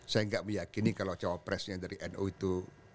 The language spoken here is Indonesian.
saya gak meyakini kalau cowok presnya dari nu itu